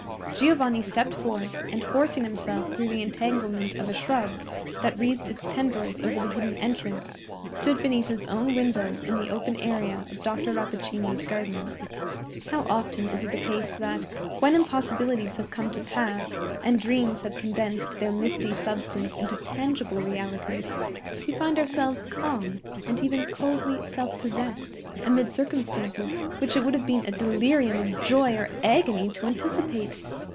Giovanni stepped forth, and, forcing himself through the entanglement of a shrub that wreathed its tendrils over the hidden entrance, stood beneath his own window in the open area of Dr. Rappaccini's garden. How often is it the case that, when impossibilities have come to pass and dreams have condensed their misty substance into tangible realities, we find ourselves calm, and even coldly self possessed, amid circumstances which it would have been a delirium of joy or agony to anticipate!